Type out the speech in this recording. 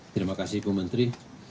terima kasih ibu menteri